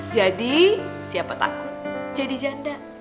jadi siapa takut jadi janda